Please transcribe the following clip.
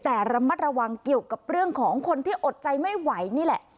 แต่ระมัดระวังเกี่ยวกับเรื่องของคนที่อดใจไม่ไหวนี่แหละ